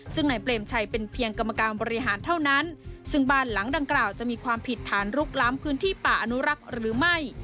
ซึ่งนายเปรมชัยเป็นเพียงกรรมการบริหารเท่านั้นซึ่งบ้านหลังดังกล่าวจะมีความผิดฐานลุกล้ำพื้นที่ป่าอนุรักษ์หรือไม่